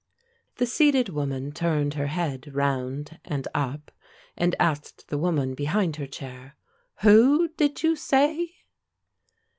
The seated woman turned her head round and up, and asked the woman behind her chair, "Who did you say?"